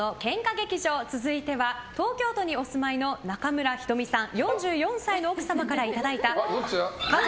劇場続いては東京都にお住まいの山口もえさん